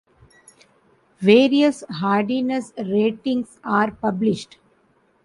Various hardiness ratings are published.